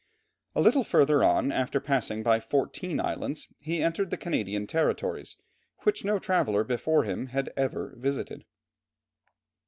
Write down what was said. A little further on, after passing by fourteen islands, he entered the Canadian territories, which no traveller before him had ever visited.